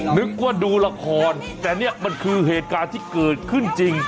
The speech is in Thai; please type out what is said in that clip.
นึกว่าดูละครแต่นี่มันคือเหตุการณ์ที่เกิดขึ้นจริง